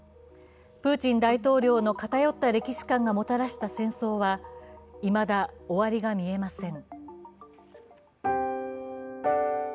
プーチン大統領の偏った歴史観がもたらした戦争はいまだ終わりが見えません。